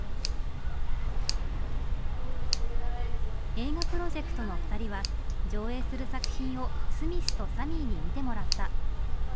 映画プロジェクトの２人は上映する作品をスミスとサミーに見てもらった。